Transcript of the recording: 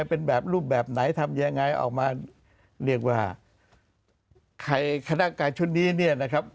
เป็นแบบรูปแบบไหนทำยังไงออกมาเรียกว่าใครคณะการชุดนี้เนี่ยนะครับ